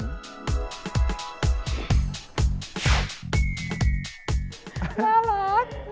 น่ารักน่ารักมาก